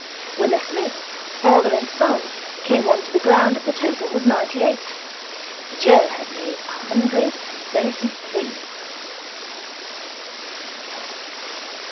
When the Smiths, father and son, came on to the ground the total was ninety eight. Joe had made a hundred and thirty three.